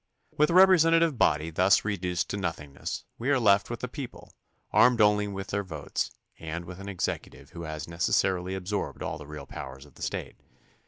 With a representative body thus reduced to nothingness we are left with the people, armed only with their votes, and with an executive who has neces sarily absorbed all the real powers of the State.